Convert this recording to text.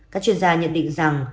các chuyên gia nhận định rằng